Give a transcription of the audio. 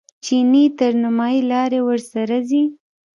چیني تر نیمایي لارې ورسره ځي.